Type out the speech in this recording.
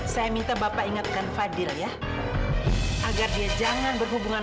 sampai jumpa di video selanjutnya